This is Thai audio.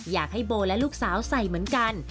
อยากให้โบและลูกสาวใส่เหมือนกัน